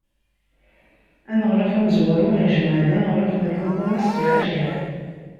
Aneɣlaf amezwaru ijmeɛ-d ineɣlafen n lḥukuma-s s leɛjel.